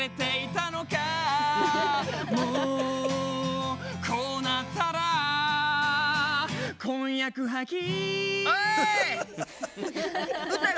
「もうこうなったら婚約破棄」おい！